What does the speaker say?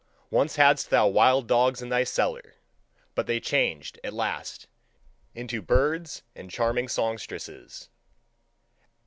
Once hadst thou wild dogs in thy cellar: but they changed at last into birds and charming songstresses.